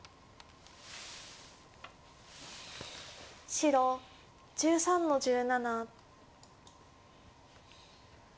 白１３の十七。